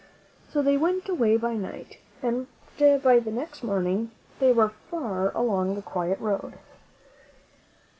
So they went away by night, and by the next morning they were far along the quiet road.